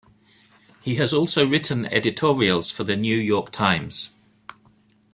He has also written editorials for "The New York Times".